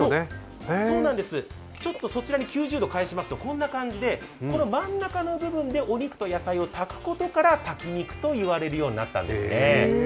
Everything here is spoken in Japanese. ちょっと９０度返しますとこんな感じで、この真ん中の部分でお肉と野菜を炊くことから炊き肉と言われるようになったんですね。